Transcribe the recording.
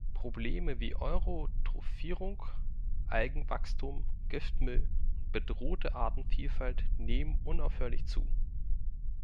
Probleme wie Euro trophierung, Algenwachstum, Giftmüll und bedrohte Artenvielfalt nehmen unaufhörlich zu.